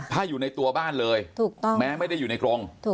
ถ้าอยู่ในตัวบ้านเลยถูกต้องแม้ไม่ได้อยู่ในกรง